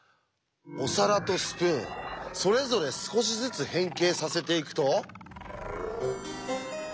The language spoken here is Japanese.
お皿とスプーンそれぞれ少しずつ変形させていくと。